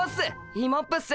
イモップっす。